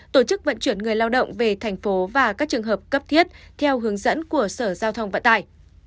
tổ chức vận chuyển người lao động về thành phố và các trường hợp cấp thiết theo hướng dẫn của sở giao thông vận tải